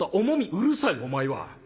「うるさいお前は。